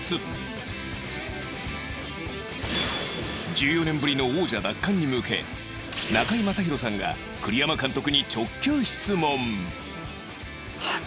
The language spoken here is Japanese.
１４年ぶりの王者奪還に向け中居正広さんが栗山監督に直球質問